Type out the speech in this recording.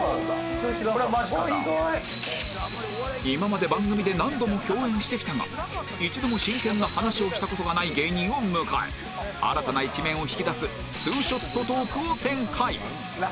今まで番組で何度も共演してきたが一度も真剣な話をした事がない芸人を迎え新たな一面を引き出すツーショットトークを展開